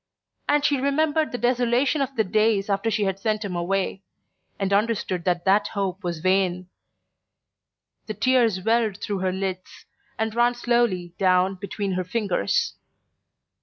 and she remembered the desolation of the days after she had sent him away, and understood that that hope was vain. The tears welled through her lids and ran slowly down between her fingers.